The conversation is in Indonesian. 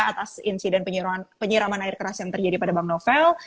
atas insiden penyiraman air keras yang terjadi pada bank novel